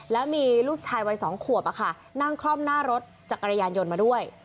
แล้วมีลูกชายวัย๒ขวบนั่งคล่อมหน้ารถจักรยานยนต์มาด้วย